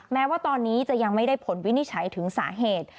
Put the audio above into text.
แม้ว่าตอนนี้จะยังไม่ได้ผลวินิจฉัยถึงสาเหตุ